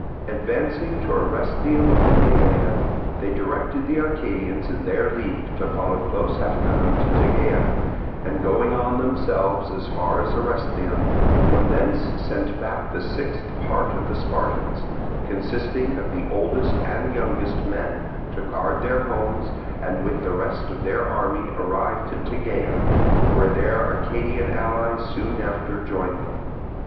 Advancing to Orestheum in Maenalia, they directed the Arcadians in their league to follow close after them to Tegea, and, going on themselves as far as Orestheum, from thence sent back the sixth part of the Spartans, consisting of the oldest and youngest men, to guard their homes, and with the rest of their army arrived at Tegea; where their Arcadian allies soon after joined them.